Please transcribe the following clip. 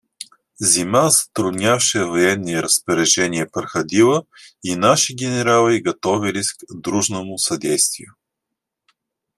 Зима, затруднявшая военные распоряжения, проходила, и наши генералы готовились к дружному содействию.